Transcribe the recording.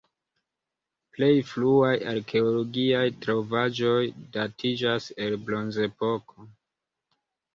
Plej fruaj arkeologiaj trovaĵoj datiĝas el la bronzepoko.